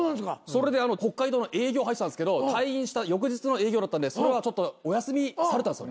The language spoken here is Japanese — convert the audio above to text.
それで北海道の営業入ってたんですけど退院した翌日の営業だったんでそれはお休みされたんですよ。